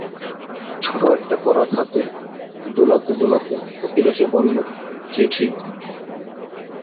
ছোটো একটা করাত হাতে দোলাতে দোলাতে অখিল এসে বললে, চিঠি!